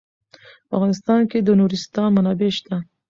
په افغانستان کې د نورستان منابع شته.